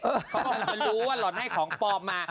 เขาต้องต้องรู้ว่าหลอนไขของปลอมมา